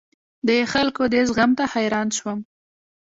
د خلکو دې زغم ته حیران شوم.